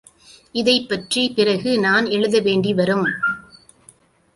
இதைப்பற்றிப் பிறகு நான் எழுத வேண்டி வரும்.